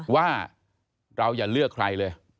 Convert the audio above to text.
ว่าเราอย่าเลือกใครเลย